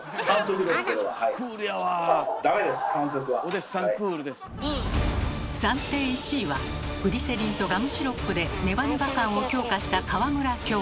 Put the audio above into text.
暫定１位はグリセリンとガムシロップでネバネバ感を強化した川村教授。